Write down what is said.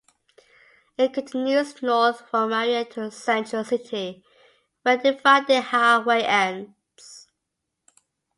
It continues north from Marion to Central City, where the divided highway ends.